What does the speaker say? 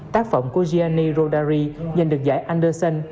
tác phẩm của gianni rodari dành được giải anderson